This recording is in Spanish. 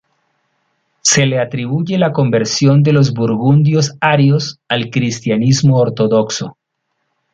Se le atribuye la conversión de los burgundios arios al cristianismo ortodoxo.